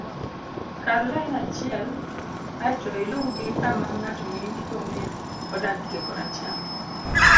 kal lain achiel aeto iluw gi kama ng'at mindikone odakie kor acham